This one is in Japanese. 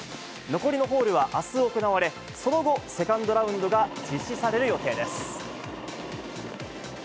残りのホールはあす行われ、その後、セカンドラウンドが実施される予定です。